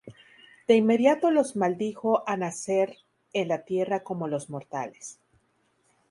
De inmediato los maldijo a nacer en la Tierra como los mortales.